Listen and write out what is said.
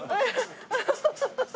アハハハ。